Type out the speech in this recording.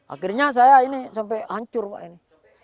akhirnya saya ini sampai hancur pak ini